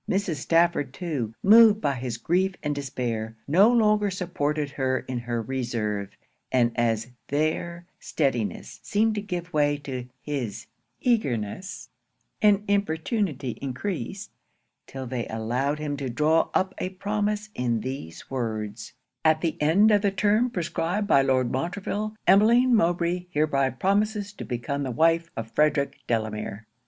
Mrs. Stafford too, moved by his grief and despair, no longer supported her in her reserve; and as their steadiness seemed to give way his eagerness and importunity encreased, till they allowed him to draw up a promise in these words 'At the end of the term prescribed by Lord Montreville, Emmeline Mowbray hereby promises to become the wife of Frederic Delamere.'